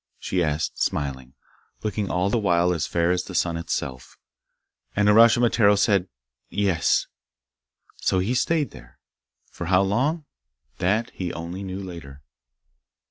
she asked, smiling, looking all the while as fair as the sun itself. And Uraschimataro said 'Yes,' and so he stayed there. For how long? That he only knew later.